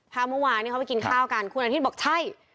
ภาพเมื่อวานเนี่ยเขาไปกินข้าวกันคุณอนุทินบอกใช่